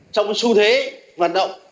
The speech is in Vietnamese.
trong một xu thế hoạt động